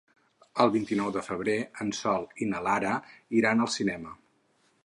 El vint-i-nou de febrer en Sol i na Lara iran al cinema.